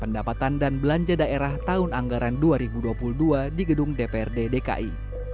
pendapatan dan belanja daerah tahun anggaran dua ribu dua puluh dua di gedung dprd dki